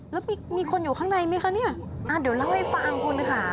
แล้วมีคนอยู่ข้างในไหมคะเนี่ยเดี๋ยวเล่าให้ฟังคุณค่ะ